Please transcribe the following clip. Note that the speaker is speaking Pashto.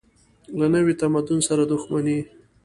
له نوي تمدن سره دښمني.